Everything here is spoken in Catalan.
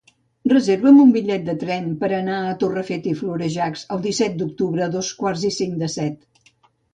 Reserva'm un bitllet de tren per anar a Torrefeta i Florejacs el disset d'octubre a dos quarts i cinc de set.